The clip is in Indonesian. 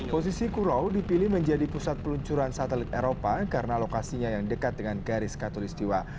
posisi kuro dipilih menjadi pusat peluncuran satelit eropa karena lokasinya yang dekat dengan garis katolistiwa